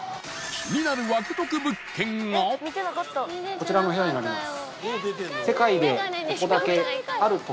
こちらの部屋になります。